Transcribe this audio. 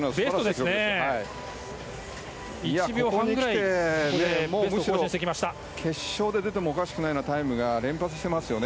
ここにきて決勝で出てもおかしくないようなタイムが連発してますよね。